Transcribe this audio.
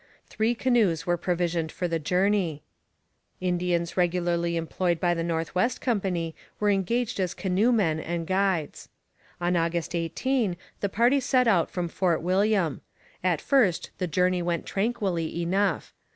Three canoes were provisioned for the journey. Indians regularly employed by the North West Company were engaged as canoemen and guides. On August 18 the party set out from Fort William. At first the journey went tranquilly enough.